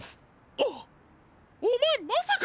あっおまえまさか！？